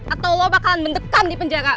atau lo bakalan mendekam di penjara